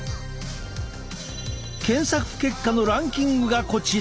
検索結果のランキングがこちら。